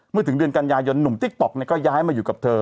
ถึงเดือนกันยายนหนุ่มติ๊กต๊อกก็ย้ายมาอยู่กับเธอ